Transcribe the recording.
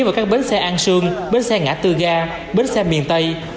và các bến xe an sương bến xe ngã tư ga bến xe miền tây